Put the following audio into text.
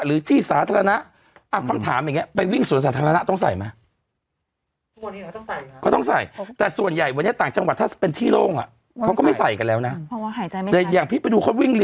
เอาฉันไปด้วยที่ฉันไมค์เกณฑ์ขึ้น